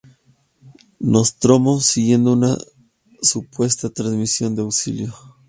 Nostromo siguiendo una supuesta transmisión de auxilio.